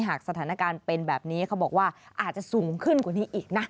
หากสถานการณ์เป็นแบบนี้เขาบอกว่าอาจจะสูงขึ้นกว่านี้อีกนะ